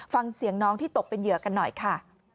ฟังเสียงน้องที่ตกเป็นเหยื่อกันหน่อยค่ะ